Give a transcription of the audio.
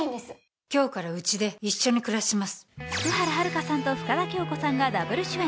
福原遥さんと深田恭子さんがダブル主演。